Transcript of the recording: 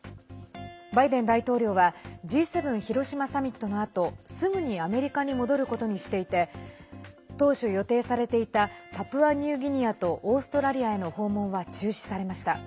バイデン大統領はＧ７広島サミットのあと、すぐにアメリカに戻ることにしていて当初予定されていたパプアニューギニアとオーストラリアへの訪問は中止されました。